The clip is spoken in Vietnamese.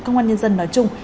công an nhân dân nói chung